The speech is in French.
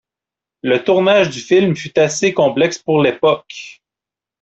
Le tournage du film fut assez complexe pour l'époque.